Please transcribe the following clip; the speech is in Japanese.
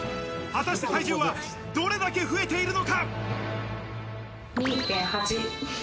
果たして体重はどれだけ増えているのか。